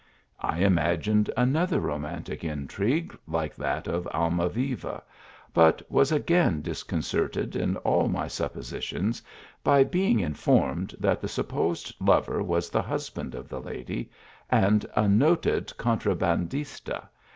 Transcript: I imagined another romantic intrigue like that of Almaviva, but was again disconcerted in all my suppositions by 78 THE ALHAMBRA. being informed that the supposed lover was the husband of the lady, and a noted contrabandista